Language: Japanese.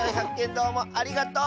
どうもありがとう！